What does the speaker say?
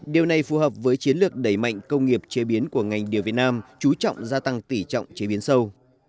điều này phù hợp với chiến lược đẩy mạnh công nghiệp chế biến của ngành điều việt nam chú trọng gia tăng tỉ trọng chế biến sâu